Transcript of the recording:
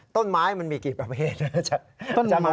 ต้นไม้มันมีกี่ประเภทนะครับ